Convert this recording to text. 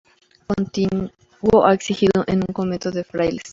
Contiguo ha existido un convento de frailes.